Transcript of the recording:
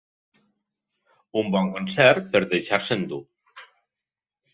Un bon concert per a deixar-se endur.